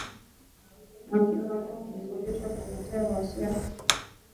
wakimlaumu kwa kushindwa kudhibiti ghasia zinazoongezeka